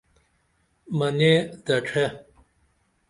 منےدڇھے!